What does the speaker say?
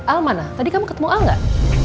al mana tadi kamu ketemu al gak